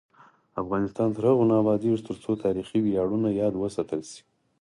افغانستان تر هغو نه ابادیږي، ترڅو تاریخي ویاړونه یاد وساتل شي.